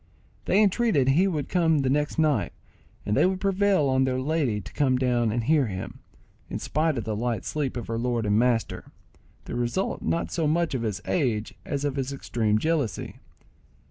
They entreated he would come the next night, and they would prevail on their lady to come down and hear him, in spite of the light sleep of her lord and master—the result not so much of his age as of his extreme jealousy.